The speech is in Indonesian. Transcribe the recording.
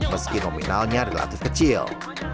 meski nominalnya relatif kecil